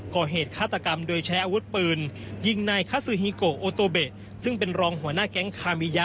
ก่อเหตุฆาตกรรมโดยใช้อาวุธปืนยิงนายคาซือฮีโกโอโตเบะซึ่งเป็นรองหัวหน้าแก๊งคามิยะ